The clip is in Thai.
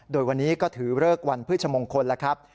โดยวันนี้ก็ถือเลิกวันพฤชมงคลแล้วครับ